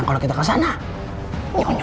and vai lalu tak dendenkan